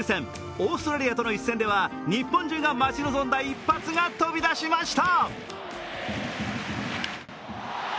オーストラリアとの一戦では、日本中が待ち望んだ一発が飛び出しました。